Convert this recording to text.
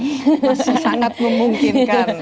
masih sangat memungkinkan